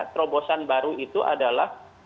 terobosan baru itu adalah